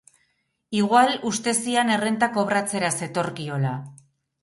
Igual uste zian errenta kobratzera zetorkiola.